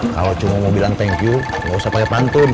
kalau cuma mau bilang thank you gak usah pakai pantun